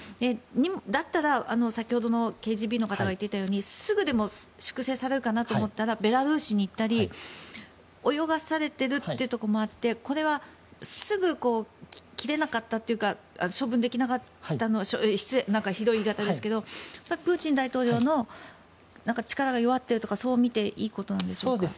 だったら、先ほどのＫＧＢの方が言っていたようにすぐでも粛清されるかなと思ったらベラルーシに行ったり泳がされてるところもあってこれはすぐ切れなかったというか処分できなかったひどい言い方ですけどプーチン大統領の力が弱っているとかそう見ていいことでしょうか。